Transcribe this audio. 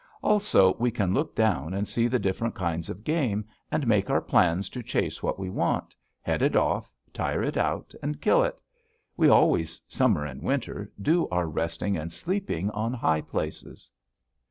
Also, we can look down and see the different kinds of game, and make our plans to chase what we want, head it off, tire it out, and kill it. We always, summer and winter, do our resting and sleeping on high places.'